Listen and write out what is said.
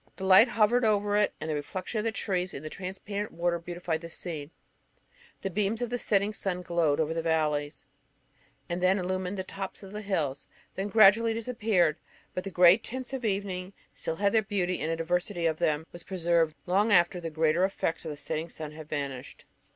The light hovered over it, and the reflection of the trees in the transparent water beautified the scene. The beams of the setting sun glowed first over the valleys, and then illumined the tops of the hills; then gradually disappeared: but the grey tints of evening still had their beauty, and a diversity of them was preserved long after the greater effects of the setting sun had vanished.